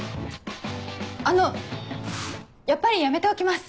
あのやっぱりやめておきます。